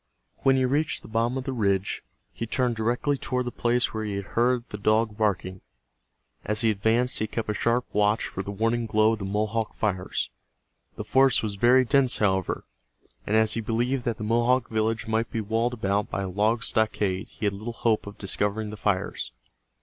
When he reached the bottom of the ridge he turned directly toward the place where he had heard the dog barking. As he advanced he kept a sharp watch for the warning glow of the Mohawk fires. The forest was very dense, however, and as he believed that the Mohawk village might be walled about by a log stockade he had little hope of discovering the fires.